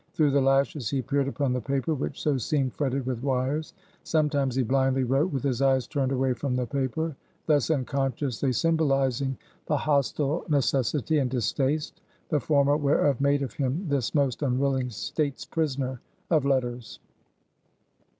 Through the lashes he peered upon the paper, which so seemed fretted with wires. Sometimes he blindly wrote with his eyes turned away from the paper; thus unconsciously symbolizing the hostile necessity and distaste, the former whereof made of him this most unwilling states prisoner of letters.